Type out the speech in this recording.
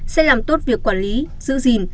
sẽ làm tốt việc quản lý giữ gìn